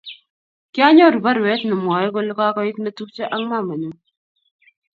kianyoru barwet nemwe kole kakoit netupcho ak mamanyu